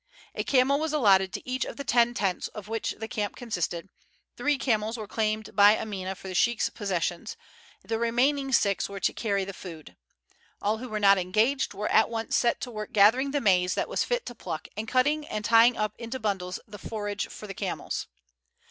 A camel was allotted to each of the ten tents of which the camp consisted; three camels were claimed by Amina for the sheik's possessions; the remaining six were to carry the food. All who were not engaged were at once set to work gathering the maize that was fit to pluck and cutting and tying up into bundles the forage for the camels.